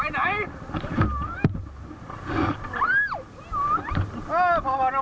ไม่ใช่ไม่ใช่แล้วเนี่ย